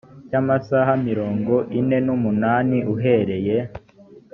cya amasaha mirongo ine n umunani uhereye